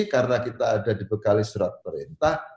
karena kita ada dibekali surat perintah